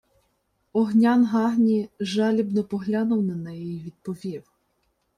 Огнян-Гагні жалібно поглянув на неї й відповів: